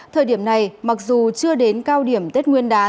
thời điểm này mặc dù chưa đến cao điểm tết nguyên đán